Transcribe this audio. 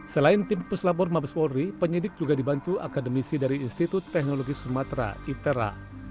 selain tim puslapor mabes polri penyidik juga dibantu akademisi dari institut teknologi sumatera itera